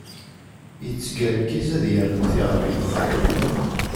Yettgergiz ad yernu tiɣrit.